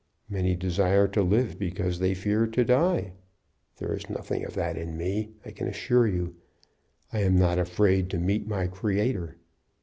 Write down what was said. Many desire to live because they fear to die. There is nothing of that in me, I can assure you. I am not afraid to meet my Creator.